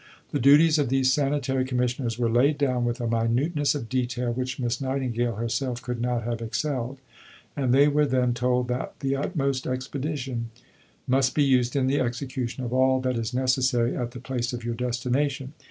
The duties of these Sanitary Commissioners were laid down with a minuteness of detail which Miss Nightingale herself could not have excelled; and they were then told that "the utmost expedition must be used in the execution of all that is necessary at the place of your destination.